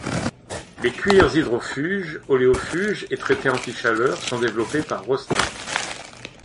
Les cuirs hydrofuges, oléofuges et traités anti-chaleur sont développés par Rostaing.